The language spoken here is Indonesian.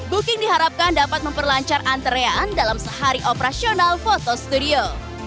booking diharapkan dapat memperlancar antrean dalam sehari operasional foto studio